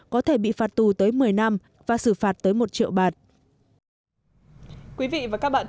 có thể bị phạt tù tới một mươi năm và xử phạt tới một triệu bạt